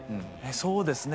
そうですね。